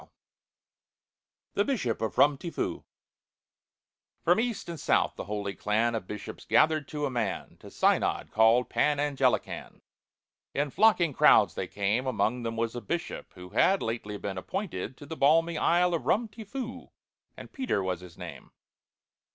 '" THE BISHOP OF RUM TI FOO FROM east and south the holy clan Of Bishops gathered to a man; To Synod, called Pan Anglican, In flocking crowds they came. Among them was a Bishop, who Had lately been appointed to The balmy isle of Rum ti Foo, And PETER was his name.